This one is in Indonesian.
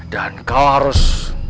dan kau harus